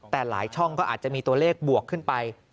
แต่หลายช่องก็อาจจะมีตัวเลขบวกขึ้นไป